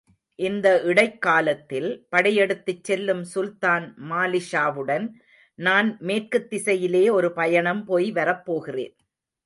இந்த இடைக் காலத்தில், படையெடுத்துச் செல்லும் சுல்தான் மாலிக்ஷாவுடன், நான் மேற்குத் திசையிலே ஒரு பயணம் போய் வரப்போகிறேன்.